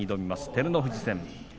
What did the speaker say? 照ノ富士戦。